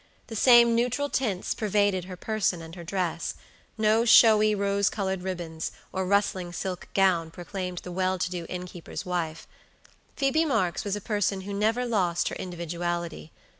The same neutral tints pervaded her person and her dress; no showy rose colored ribbons or rustling silk gown proclaimed the well to do innkeeper's wife. Phoebe Marks was a person who never lost her individuality.